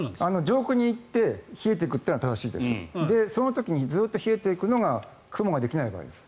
上空に行って冷えていくというのは正しいですその時にずっと冷えていくのは雲ができない場合です。